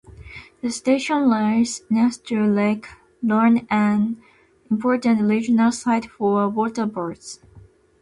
The station lies next to Lake Lorne, an important regional site for waterbirds.